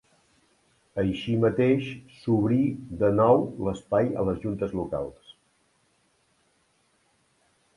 Així mateix, s’obri de nou l’espai a les juntes locals.